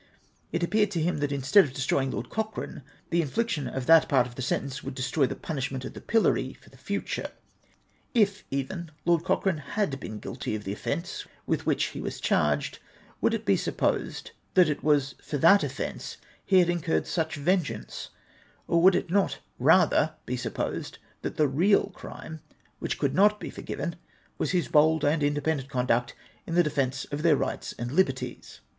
It appeared to him that instead of destroying Lord Cochrane, the infliction of that part of tlie sentence would destroy the punishment of the pillory for the future. If even Lord Cochrane had been guilty of the offence >vith which he was charged, would it be supposed that it was for that offence he had incurred such vengeance, or would it not rather be supposed that the real crime, which could not be forgiven, was his bold and independent conduct in the defence of their rights and liberties